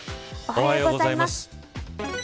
おはようございます。